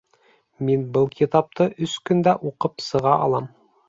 Мин был китапты өс көндә уҡып сыға алам